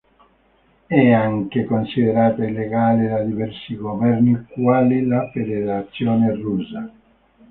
È anche considerata illegale da diversi governi quali la Federazione russa.